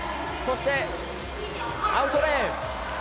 そして、アウトレーン。